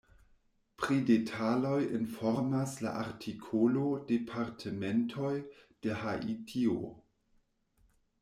Pri detaloj informas la artikolo departementoj de Haitio.